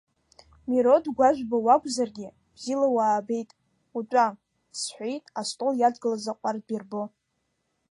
Мирод Гәажәба уакәзаргьы, бзиала уаабеит, утәа, – сҳәеит, астол иадгылаз аҟәардә ирбо.